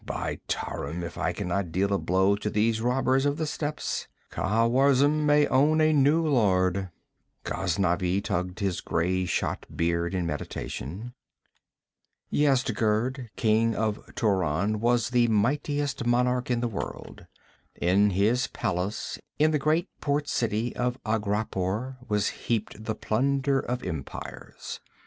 By Tarim, if I can not deal a blow to these robbers of the steppes, Khawarizm may own a new lord.' Ghaznavi tugged his gray shot beard in meditation. Yezdigerd, king of Turan, was the mightiest monarch in the world. In his palace in the great port city of Aghrapur was heaped the plunder of empires.